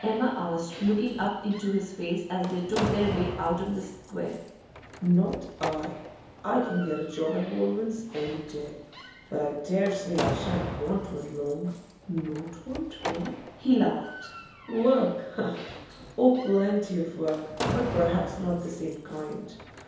Emma asked, looking up into his face as they took their way out of the square. 'Not I! I can get a job at Baldwin's any day. But I dare say I shan't want one long.' 'Not want work?' He laughed. 'Work? Oh, plenty of work; but perhaps not the same kind.